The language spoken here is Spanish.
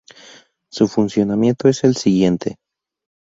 Su funcionamiento es el siguiente.